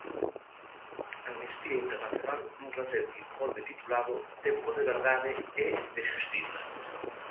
Amnistía Internacional, nun recente informe titulado "Tempo de verdade e de xustiza".